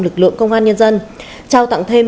lực lượng công an nhân dân trao tặng thêm